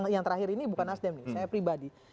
yang terakhir ini bukan nasdem nih saya pribadi